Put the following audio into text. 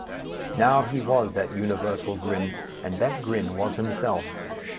Now he was that universal grin, and that grin was himself.